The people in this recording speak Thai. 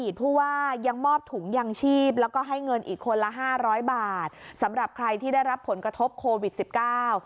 คนละห้าร้อยบาทสำหรับใครที่ได้รับผลกระทบโควิดสิบเก้า